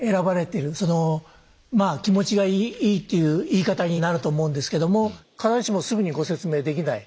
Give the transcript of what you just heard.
まあ気持ちがいいっていう言い方になると思うんですけども必ずしもすぐにご説明できない。